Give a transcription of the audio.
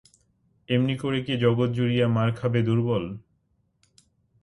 এমনি করে কি জগৎ জুড়িয়া মার খাবে দুর্বল?